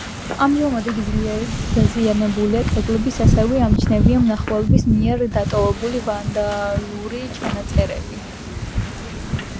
ამჟამად იგი ძლიერ დაზიანებულია, კედლებს ასევე ამჩნევია მნახველების მიერ დატოვებული ვანდალური წარწერები.